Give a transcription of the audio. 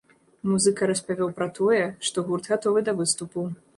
Музыка распавёў пра тое, што гурт гатовы да выступу.